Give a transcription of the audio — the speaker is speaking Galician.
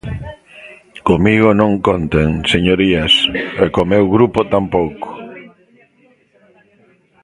¡Comigo non conten, señorías, e co meu grupo tampouco!